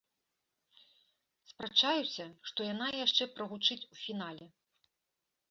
Спрачаюся, што яна яшчэ прагучыць у фінале.